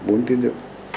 vốn tiến dự